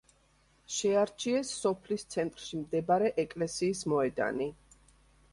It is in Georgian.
შეარჩიეს სოფლის ცენტრში მდებარე ეკლესიის მოედანი.